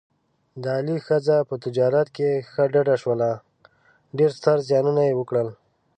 د علي ښځه په تجارت کې ښه ډډه شوله، ډېر ستر زیانونه یې وکړل.